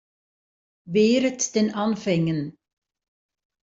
Wehret den Anfängen!